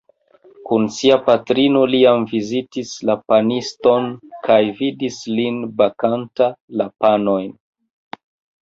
Kun sia patrino li jam vizitis la paniston kaj vidis lin bakanta la panojn.